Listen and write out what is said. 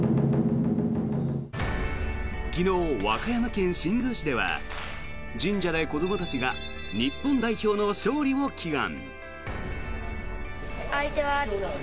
昨日、和歌山県新宮市では神社で子どもたちが日本代表の勝利を祈願。